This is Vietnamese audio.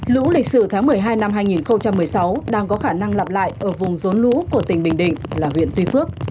lũ lịch sử tháng một mươi hai năm hai nghìn một mươi sáu đang có khả năng lặp lại ở vùng rốn lũ của tỉnh bình định là huyện tuy phước